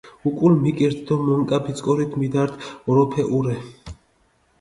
უკულ მიკირთჷ დო მონკა ბიწკორით მიდართ ოროფეჸურე.